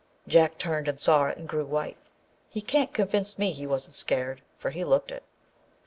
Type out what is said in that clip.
Jack turned and saw it, and grew white. He can't convince me he wasn't scared, for he looked it.